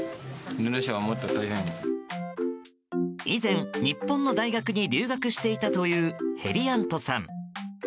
以前、日本の大学に留学していたというヘリアントさん。